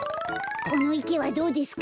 このいけはどうですか？